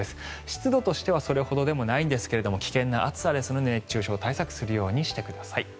湿度としてはそれほどではないんですが危険な暑さですので熱中症対策するようにしてください。